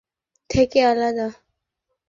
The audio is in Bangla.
আমি সচরাচর যেটা পান করি এটা সেটার থেকে আলাদা।